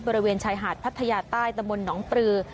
บริเวณชายหาดพัทยาใต้ตะมนตหนองปลือ